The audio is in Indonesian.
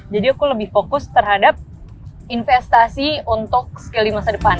jadi aku lebih fokus terhadap investasi untuk skill di masa depan